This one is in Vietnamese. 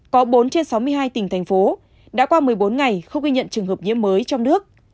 có bốn trên sáu mươi hai tỉnh thành phố đã qua một mươi bốn ngày không ghi nhận trường hợp nhiễm mới trong nước